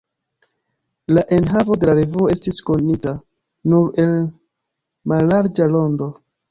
La enhavo de la revuo estis konita nur en mallarĝa rondo.